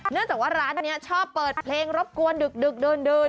จากว่าร้านนี้ชอบเปิดเพลงรบกวนดึกดื่น